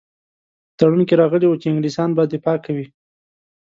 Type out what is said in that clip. په تړون کې راغلي وو چې انګلیسیان به دفاع کوي.